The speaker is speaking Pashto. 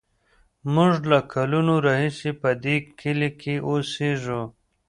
موږ له کلونو راهیسې په دې کلي کې اوسېږو.